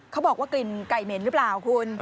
เขาบอกว่ากลิ่นไก่เหม็นหรือเปล่าคุณ